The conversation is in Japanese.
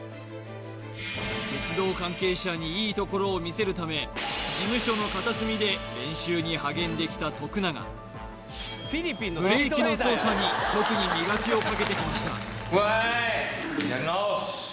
鉄道関係者にいいところを見せるために励んできた徳永ブレーキの操作に特に磨きをかけてきました